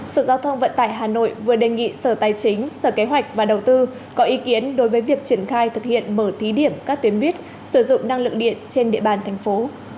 sở giao thông vận tải hà nội vừa đề nghị sở tài chính sở kế hoạch và đầu tư có ý kiến đối với việc triển khai thực hiện mở thí điểm các tuyến buýt sử dụng năng lượng điện trên địa bàn thành phố